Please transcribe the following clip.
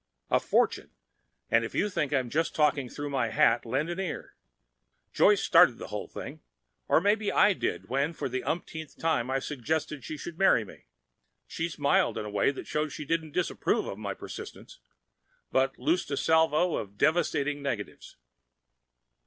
A fortune! And if you think I'm just talking through my hat, lend an ear ... Joyce started the whole thing. Or maybe I did when for the umpteenth time I suggested she should marry me. She smiled in a way that showed she didn't disapprove of my persistence, but loosed a salvo of devastating negatives.